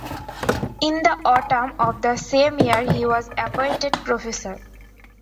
In the autumn of the same year he was appointed professor.